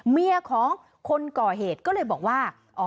เมียของคนก่อเหตุก็เลยบอกว่า